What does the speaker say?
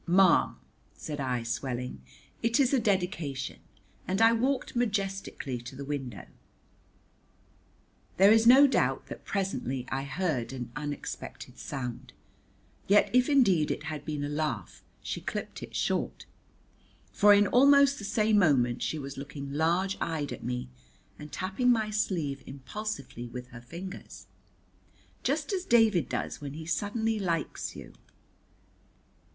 "Ma'am," said I, swelling, "it is a Dedication," and I walked majestically to the window. There is no doubt that presently I heard an unexpected sound. Yet if indeed it had been a laugh she clipped it short, for in almost the same moment she was looking large eyed at me and tapping my sleeve impulsively with her fingers, just as David does when he suddenly likes you.